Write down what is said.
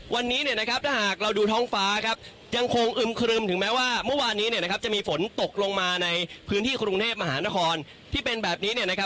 วันนี้เนี่ยนะครับถ้าหากเราดูท้องฟ้าครับยังคงอึมครึมถึงแม้ว่าเมื่อวานนี้จะมีฝนตกลงมาในพื้นที่กรุงเทพมหานครที่เป็นแบบนี้เนี่ยนะครับ